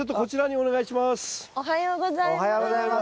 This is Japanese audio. おはようございます。